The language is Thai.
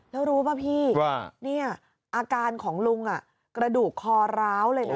แล้วรู้ป่ะพี่ว่าอาการของลุงกระดูกคอร้าวเลยนะ